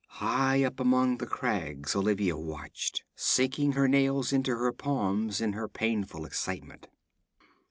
High up among the crags Olivia watched, sinking her nails into her palms in her painful excitement.